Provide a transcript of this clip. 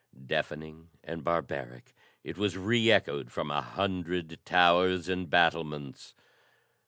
Deafening and barbaric, it was reechoed from a hundred towers and battlements.